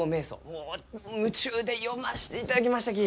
もう夢中で読ましていただきましたき！